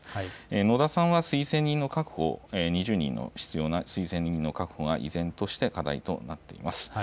野田さんは２０人必要な推薦人の確保が依然として課題となっています。